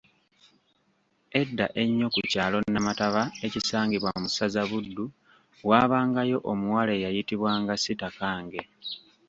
Edda ennyo ku kyalo Namataba ekisangibwa mu ssaza Buddu waabangayo omuwala eyayitibwanga Sitakange.